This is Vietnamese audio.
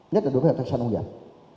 nhất là đối với hợp tác xã nông dân